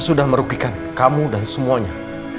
sudah merugikan kamu dan semuanya